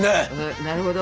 なるほど。